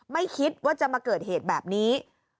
ไม่คิดว่าจะมาเกิดเหตุแบบนี้